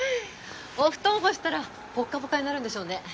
お布団干したらポッカポカになるんでしょうね。